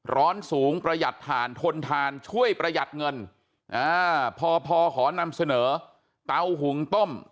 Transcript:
ร้อนสูงประหยัดฐานทนทานช่วยประหยัดเงินอ่าพอพอขอนำเสนอเตาหุงต้ม